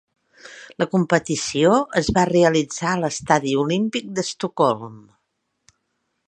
La competició es va realitzar a l'Estadi Olímpic d'Estocolm.